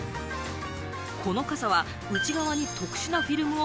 この傘は内側に特殊なフィルムを